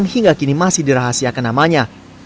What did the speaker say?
hingga kini masih dirahasiakan namanya